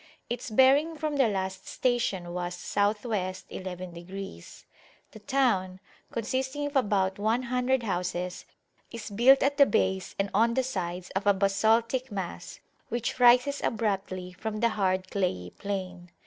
Its bearing from the last station was S.W. 11°. The town, consisting of about one hundred houses, is built at the base and on the sides of a basaltic mass, which rises abruptly from the hard clayey plain.